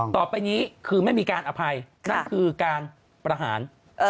ต่อไปนี้คือไม่มีการอภัยนั่นคือการประหาร